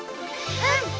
うん。